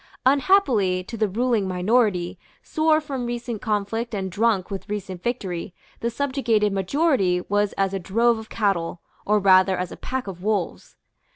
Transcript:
Unhappily, to the ruling minority, sore from recent conflict and drunk with recent victory, the subjugated majority was as a drove of cattle, or rather as a pack of wolves.